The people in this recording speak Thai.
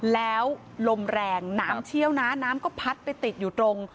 แล้วลมแรงหนามเชี้ยวนะหนามก็พัดไปติดอยู่ตรง